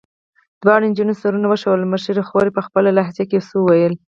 دواړو نجونو سرونه وښورول، مشرې خور یې په خپله لهجه کې یو څه وویل.